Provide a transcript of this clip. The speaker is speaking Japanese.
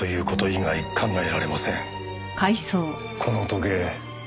この時計